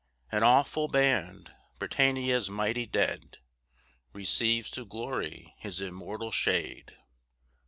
An awful band! Britannia's mighty dead, Receives to glory his immortal shade.